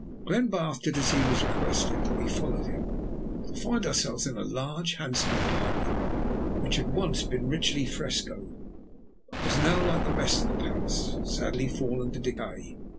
Glenbarth did as he was requested, and we followed him, to find ourselves in a large, handsome apartment, which had once been richly frescoed, but was now, like the rest of the palace, sadly fallen to decay.